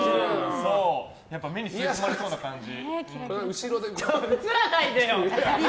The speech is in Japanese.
目に吸い込まれそうな感じ。